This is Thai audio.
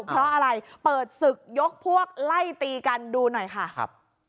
เพราะอะไรเปิดศึกยกพวกไล่ตีกันดูหน่อยค่ะครับ